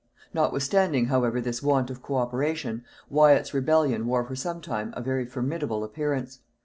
Notwithstanding however this want of co operation, Wyat's rebellion wore for some time a very formidable appearance.